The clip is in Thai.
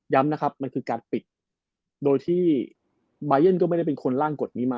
ย้ำนะครับโดยที่บายเยินไม่ได้เป็นคนล่างกฎนี้มา